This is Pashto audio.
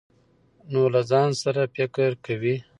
نو له ځان سره فکر کوي ،